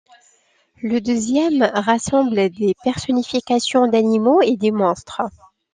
Le deuxième rassemble des personnifications d'animaux et des monstres.